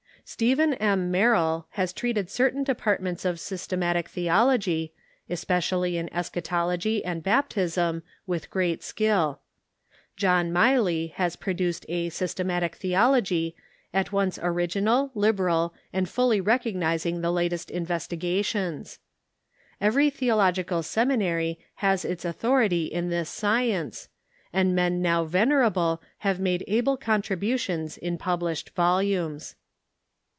Stephen M. Merrill has treated certain depart ments of systematic theology, especially in eschatology and baptism, Avith great skill. John Miley has produced a " Sys tematic Theology" at once original, liberal, and fully recogniz ing the latest investigations. Every theological seminary has its authority in this science, and men now venerable have made able contributions in published volumes.